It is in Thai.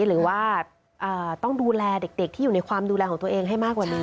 หรือว่าต้องดูแลเด็กที่อยู่ในความดูแลของตัวเองให้มากกว่านี้